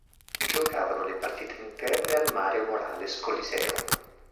Giocavano le partite interne al Mario Morales Coliseum.